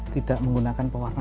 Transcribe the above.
tidak menggunakan pewarna